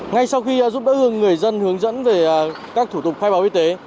ngay sau khi giúp đỡ người dân hướng dẫn về các thủ tục khai báo y tế